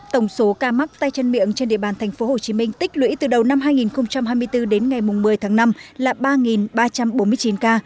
tổng số ca mắc tay chân miệng trên địa bàn tp hcm tích lũy từ đầu năm hai nghìn hai mươi bốn đến ngày một mươi tháng năm là ba ba trăm bốn mươi chín ca